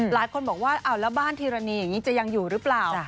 หลายคนบอกว่าแล้วบ้านธีรณีอย่างนี้จะยังอยู่หรือเปล่า